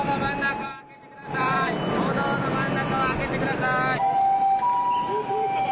歩道の真ん中を空けてください。